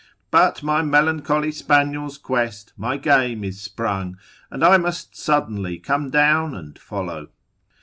But my melancholy spaniel's quest, my game is sprung, and I must suddenly come down and follow.